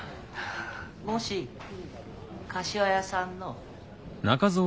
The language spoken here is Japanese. もし柏屋さんの。